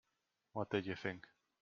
What did you think?